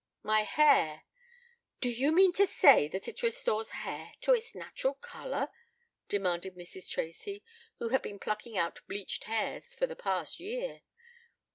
My hair " "Do you mean to say that it restores hair to its natural color?" demanded Mrs. Tracy, who had been plucking out bleached hairs for the past year.